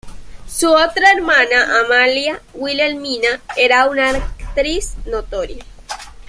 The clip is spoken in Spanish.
Su otra hermana, Amalia Wilhelmina, era una actriz notoria.